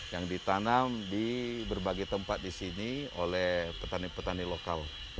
yang ditanam di berbagai tempat di sini oleh petani petani lokal